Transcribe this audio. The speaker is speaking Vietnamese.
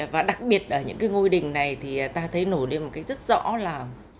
và đặc biệt ở những cái ngôi đình này thì ta thấy nổi lên một cách rất rõ là